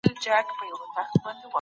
ملتونو به د رایې ورکولو حق تضمین کړی و.